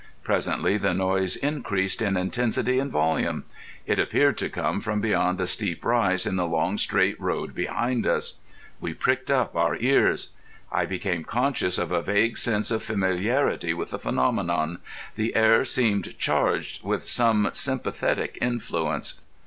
Presently the noise increased in intensity and volume. It appeared to come from beyond a steep rise in the long straight road behind us. We pricked up our ears. I became conscious of a vague sense of familiarity with the phenomenon. The air seemed charged with some sympathetic influence.